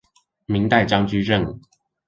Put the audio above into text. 明代張居正